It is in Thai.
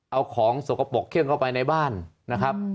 เอาของสกปรกเครื่องเข้าไปในบ้านนะครับ